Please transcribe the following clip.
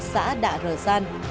xã đạ rờ gian